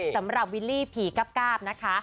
สำหรับวิลลี่ผีกราบนะคะ